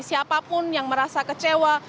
siapapun yang merasa kecewa